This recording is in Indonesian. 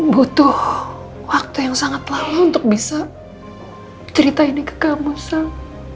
butuh waktu yang sangat lama untuk bisa cerita ini ke kampus